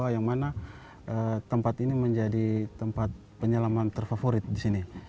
yang mana tempat ini menjadi tempat penyelaman terfavorit di sini